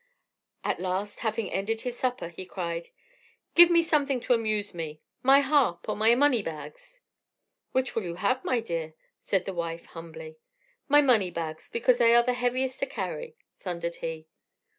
At last, having ended his supper, he cried, "Give me something to amuse me my harp or my money bags." "Which will you have, my dear?" said the wife, humbly. "My money bags, because they are the heaviest to carry," thundered he.